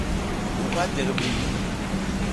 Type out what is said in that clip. U gatek bé yi.